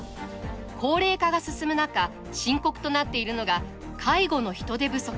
高齢化が進む中深刻となっているのが介護の人手不足。